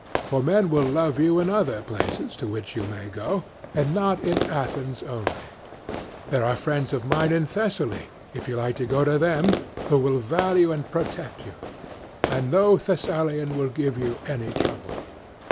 For men will love you in other places to which you may go, and not in Athens only; there are friends of mine in Thessaly, if you like to go to them, who will value and protect you, and no Thessalian will give you any trouble.